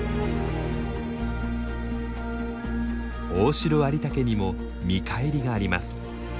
オオシロアリタケにも見返りがあります。